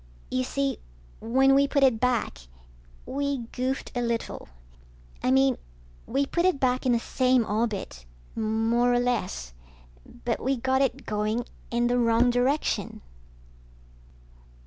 You see, when we put it back, we goofed a little. I mean, we put it back in the same orbit, more or less, but we got it going in the wrong direction.